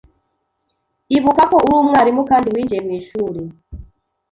Ibuka ko uri umwarimu kandi winjiye mwishuri